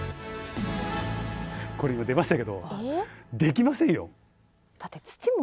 これ今出ましたけどできませんよ。